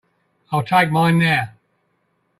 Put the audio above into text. I'll take mine now.